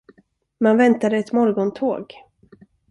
Man väntade ett morgontåg.